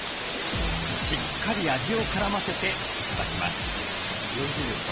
しっかり味を絡ませて頂きます。